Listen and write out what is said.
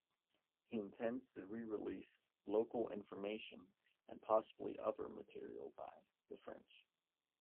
He intends to re-release "Local Information" and possibly other material by The French.